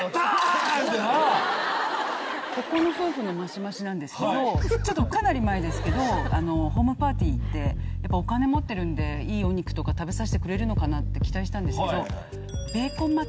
ここの夫婦のマシマシなんですけどかなり前ですけどホームパーティー行ってやっぱお金持ってるんでいいお肉とか食べさしてくれるのかなって期待したんですけどベーコン巻き？